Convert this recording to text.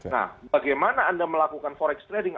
nah bagaimana anda melakukan forex trading